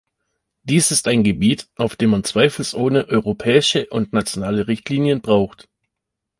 Dies ist ein Gebiet, auf dem man zweifelsohne europäische und nationale Richtlinien braucht.